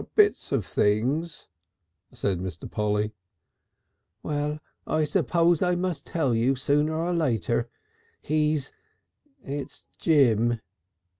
"Bits of things," said Mr. Polly. "Well, I suppose I must tell you sooner or later. He's . It's Jim.